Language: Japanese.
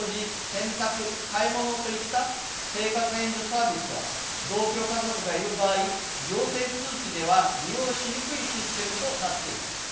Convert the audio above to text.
洗濯買い物といった生活援助サービスは同居家族がいる場合行政通知では利用しにくいシステムとなっています。